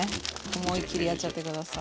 思いっきりやっちゃって下さい。